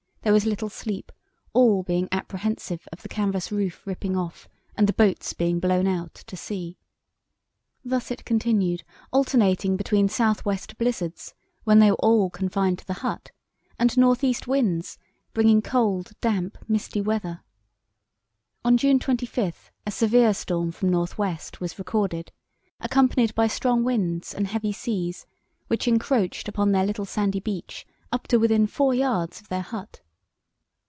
There was little sleep, all being apprehensive of the canvas roof ripping off, and the boats being blown out to sea." Thus it continued, alternating between south west blizzards, when they were all confined to the hut, and north east winds bringing cold, damp, misty weather. On June 25 a severe storm from north west was recorded, accompanied by strong winds and heavy seas, which encroached upon their little sandy beach up to within four yards of their hut.